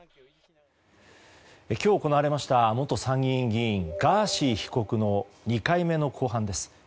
今日行われました元参議院議員ガーシー被告の２回目の公判です。